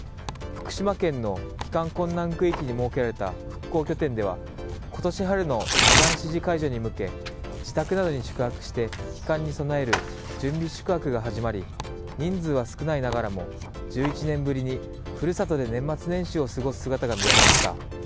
福島県の帰還困難区域に設けられた復興拠点では今年春の避難指示解除に向け自宅などに宿泊して機関に備える準備宿泊が始まり人数は少ないながらも１１年ぶりに故郷で年末年始を過ごす姿が見られました。